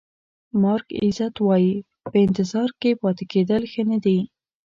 مارک ایزت وایي په انتظار کې پاتې کېدل ښه نه دي.